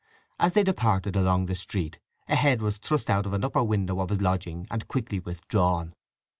As they departed along the street a head was thrust out of an upper window of his lodging and quickly withdrawn.